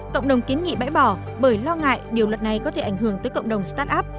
cộng đồng kiến nghị bãi bỏ bởi lo ngại điều luật này có thể ảnh hưởng tới cộng đồng start up